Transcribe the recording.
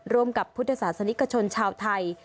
ร่วมกับพุทธศาสนิกชนชาวไทย